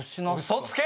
「嘘つけ」？